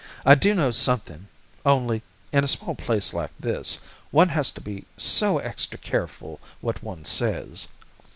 I do know something, only in a small place like this one has to be so extra careful what one says.